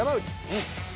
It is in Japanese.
うん。